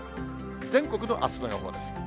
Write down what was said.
全国のあすの予報です。